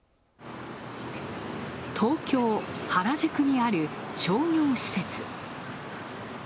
東京・原宿にある商業施設。